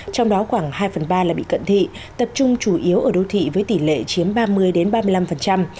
trong đó khoảng hai phần ba là bị cận thị tập trung chủ yếu ở đô thị với tỷ lệ chiếm ba mươi ba mươi năm